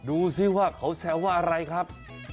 ดูสิว่าเขาแซวว่าอะไรครับ